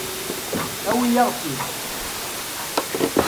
Awi-yaɣ-tt-id.